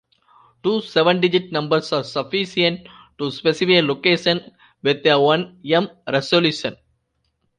Two seven-digit numbers are sufficient to specify a location with a one m resolution.